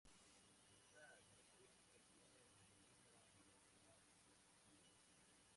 Una Característica tiene una o más Anclas.